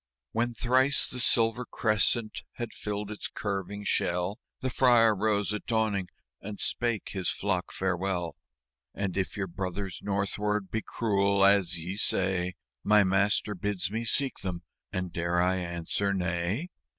When thrice the silver crescent had filled its curving shell, The Friar rose at dawning and spake his flock farewell: " And if your Brothers northward be cruel, as ye say, My Master bids me seek them and dare I answer 'Nay'?"